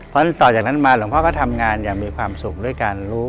เพราะต่อจากนั้นมาหลวงพ่อก็ทำงานอย่างมีความสุข